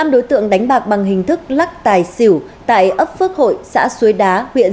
một mươi năm đối tượng đánh bạc bằng hình thức lắc tài xỉu tại ấp phước hội xã xuế đá huyện